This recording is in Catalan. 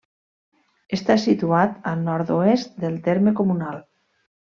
Està situat al nord-oest del terme comunal.